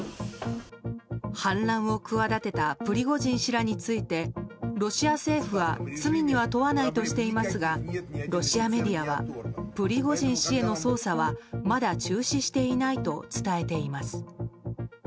反乱を企てたプリゴジン氏らについてロシア政府は罪には問わないとしていますがロシアメディアはプリゴジン氏への捜査はまだ中止していないと伝えています。